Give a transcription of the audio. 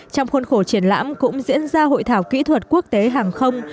trong khuôn khổ triển lãm cũng diễn ra hội thảo kỹ thuật quốc tế hàng không